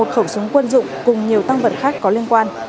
một khẩu súng quân dụng cùng nhiều tăng vật khác có liên quan